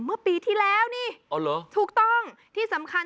แก้ปัญหาผมร่วงล้านบาท